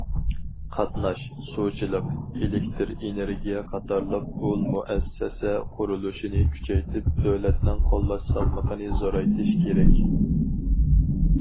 قاتناش، سۇچىلىق، ئېلېكتىر ئېنېرگىيە قاتارلىق ئۇل مۇئەسسەسە قۇرۇلۇشىنى كۈچەيتىپ، دۆلەتنىڭ قوللاش سالمىقىنى زورايتىش كېرەك.